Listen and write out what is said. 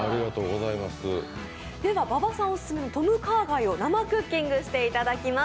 では、馬場さんオススメのトムカーガイを生クッキングしていただきます。